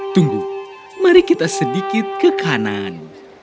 tunggu mari kita sedikit ke kanan